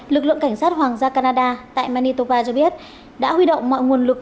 lực lượng cảnh sát hoàng gia canada tại manitopa cho biết đã huy động mọi nguồn lực